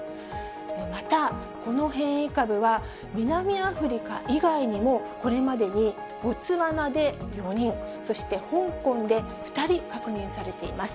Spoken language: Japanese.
また、この変異株は南アフリカ以外にも、これまでにボツワナで４人、そして香港で２人確認されています。